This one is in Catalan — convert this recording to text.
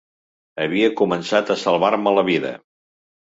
Havia començat a salvar-me la vida.